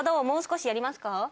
もう少しやりますか？